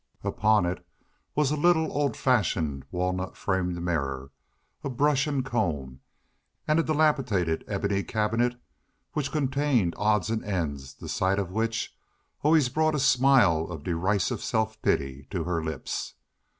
Upon it was a little old fashioned walnut framed mirror, a brush and comb, and a dilapidated ebony cabinet which contained odds and ends the sight of which always brought a smile of derisive self pity to her lips.